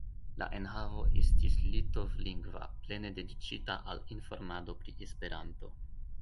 La enhavo estis litovlingva, plene dediĉita al informado pri Esperanto.